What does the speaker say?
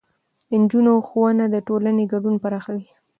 د نجونو ښوونه د ټولنې ګډون پراخوي.